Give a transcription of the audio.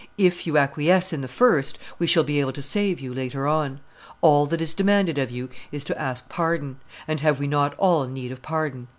If you acquiesce in the first, we shall be able to save you later on. All that is demanded of you is to ask pardon: and have we not all need of pardon?"